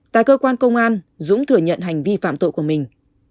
tại cơ quan công an dũng thừa nhận hành vi phạm tội của mình